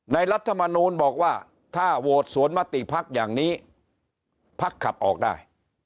รัฐมนูลบอกว่าถ้าโหวตสวนมติภักดิ์อย่างนี้พักขับออกได้